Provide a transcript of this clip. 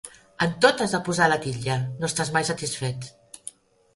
En tot has de posar la titlla: no estàs mai satisfet!